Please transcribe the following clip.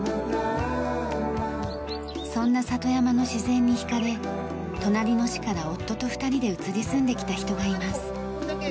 そんな里山の自然に惹かれ隣の市から夫と二人で移り住んできた人がいます。